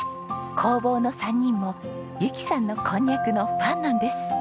工房の３人も由紀さんのこんにゃくのファンなんです。